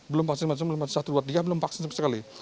belum vaksin belum vaksin satu dua tiga belum vaksin sempat sekali